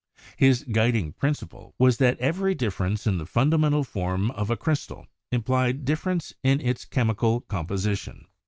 His guiding prin 214 CHEMISTRY ciple was that every difference in the fundamental form of a crystal implied difference in its chemical composition.